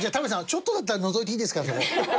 ちょっとだったらのぞいていいですからそこ。